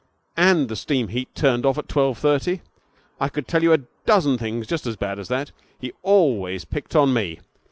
And the steam heat turned off at twelve thirty! I could tell you a dozen things just as bad as that. He always picked on me.